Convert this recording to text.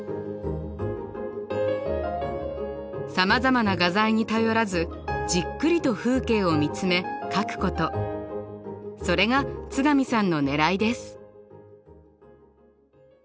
さまざまな画材に頼らずじっくりと風景を見つめ描くことそれが津上さんのねらいです。